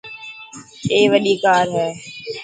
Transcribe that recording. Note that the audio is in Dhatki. اي وڏي ڪار هي.